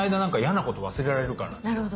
なるほど。